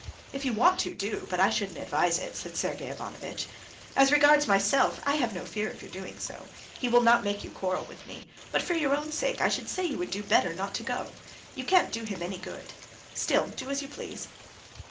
"If you want to, do; but I shouldn't advise it," said Sergey Ivanovitch. "As regards myself, I have no fear of your doing so; he will not make you quarrel with me; but for your own sake, I should say you would do better not to go. You can't do him any good; still, do as you please."